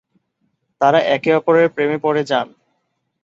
তারা একে অপরের প্রেমে পরে যান।